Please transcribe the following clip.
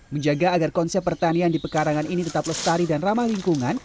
menjaga agar konsep pertanian di pekarangan ini tetap lestari dan ramah lingkungan